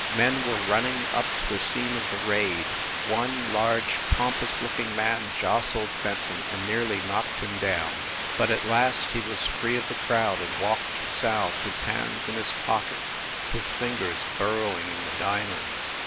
Men were running up to the scene of the raid; one large, pompous looking man jostled Fenton and nearly knocked him down; 26 FIND THE WOMAN but at last he was free of the crowd and walked south, his hands in his pockets, his fingers burrowing in the diamonds.